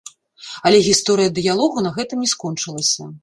Але гісторыя дыялогу на гэтым не скончылася.